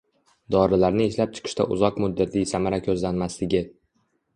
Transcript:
dorilarni ishlab chiqishda uzoq muddatli samara ko‘zlanmasligi